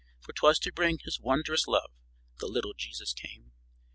For 'twas to bring His wondrous love, The lit tle Je sus came.